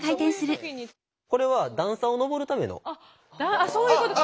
あそういうことか。